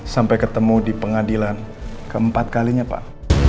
sampai ketemu di pengadilan keempat kalinya pak